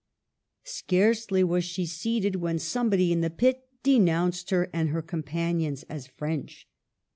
Scarcely was she seated, when somebody in the pit denounced her and her com panions as French.